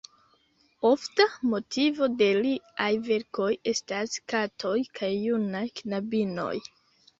Ofta motivo de liaj verkoj estas katoj kaj junaj knabinoj.